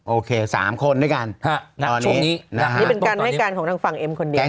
โอเค๓คนด้วยกันตอนนี้นี่เป็นการให้การของทางฝั่งเอ็มคนเดียว